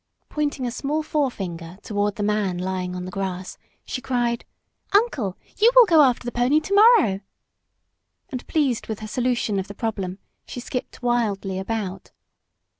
Pointing a small forefinger toward the man lying on the grass, she cried, "Uncle, you will go after the pony tomorrow!" And pleased with her solution of the problem, she skipped wildly about.